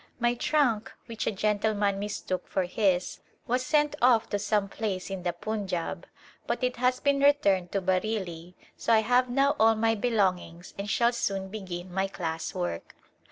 Mv trunk, which a gentleman mistook for his, was sent off to some place in the Punjab, but it has been returned to Bareillv, so I have now all my belongings and shall soon begin my class work.